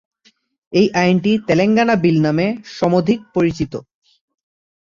এই আইনটি তেলেঙ্গানা বিল নামে সমধিক পরিচিত।